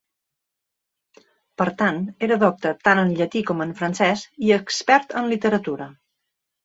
Per tant, era docte tant en llatí com en francès i expert en literatura.